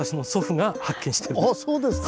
あそうですか！